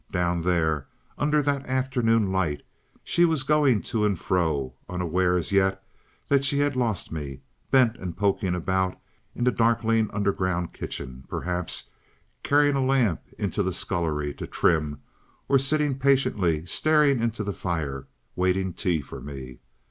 Down there, under that afternoon light, she was going to and fro, unaware as yet that she had lost me, bent and poking about in the darkling underground kitchen, perhaps carrying a lamp into the scullery to trim, or sitting patiently, staring into the fire, waiting tea for me.